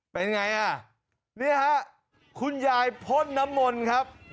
เป็นไงอ่ะนี่ฮะคุณยายพ่นน้ำมนต์ครับ